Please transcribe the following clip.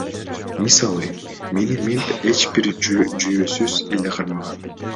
Мисалы, мени мент эч бир жүйөөсүз эле кармаган.